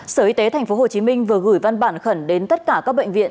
sở y tế tp hcm vừa gửi văn bản khẩn đến tất cả các bệnh viện